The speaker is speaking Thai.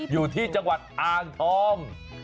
อยู่ที่จังหวัดอ่างทอง